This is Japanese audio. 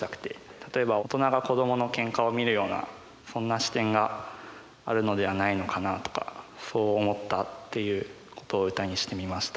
例えば大人が子どものけんかを見るようなそんな視点があるのではないのかなとかそう思ったっていうことを歌にしてみました。